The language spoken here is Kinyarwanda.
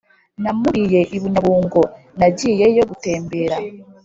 namuriye i Bunyabungo nagiyeyo gutembera,